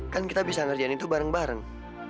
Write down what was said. kan kita bisa ngerjain itu bareng bareng